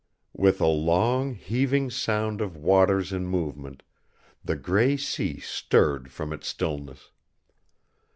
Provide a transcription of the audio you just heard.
With a long heaving sound of waters in movement, the gray sea stirred from its stillness.